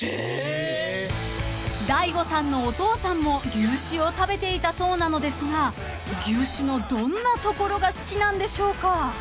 ［大悟さんのお父さんも牛脂を食べていたそうなのですが牛脂のどんなところが好きなんでしょうか？］